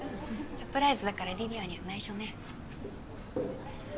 サプライズだから梨里杏には内緒ね。